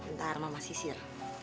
ntar mama sisir